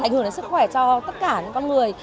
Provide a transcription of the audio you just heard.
ảnh hưởng đến sức khỏe cho tất cả những con người